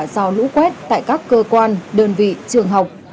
do lũ quét tại các cơ quan đơn vị trường học